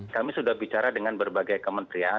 kami sudah bicara dengan berbagai kementerian